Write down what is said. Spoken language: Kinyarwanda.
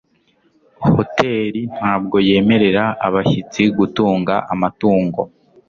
Hoteri ntabwo yemerera abashyitsi gutunga amatungo